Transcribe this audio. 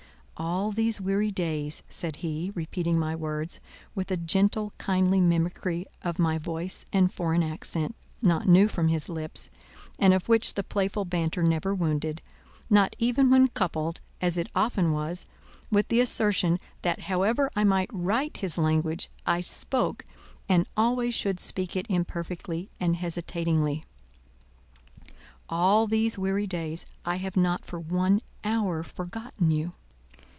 "All these weary days," said he, repeating my words, with a gentle, kindly mimicry of my voice and foreign accent, not new from his lips, and of which the playful banter never wounded, not even when coupled, as it often was, with the assertion, that however I might write his language, I spoke and always should speak it imperfectly and hesitatingly. "'All these weary days' I have not for one hour forgotten you.